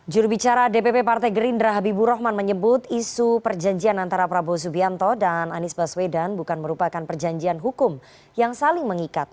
jurubicara dpp partai gerindra habibur rahman menyebut isu perjanjian antara prabowo subianto dan anies baswedan bukan merupakan perjanjian hukum yang saling mengikat